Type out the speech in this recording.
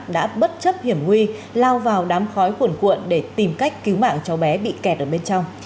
đã bất chấp hiểm nguy lao vào đám khói khuẩn cuộn để tìm cách cứu mạng cháu bé bị kẹt ở bên trong